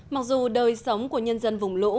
mặc dù đời sống của nhân dân vùng lũ